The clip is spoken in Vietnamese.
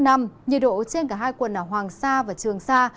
nhiệt độ trên cả hai quần đảo hoàng sa và trường sa